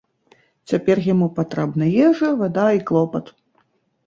Цяпер яму патрэбна ежа, вада і клопат.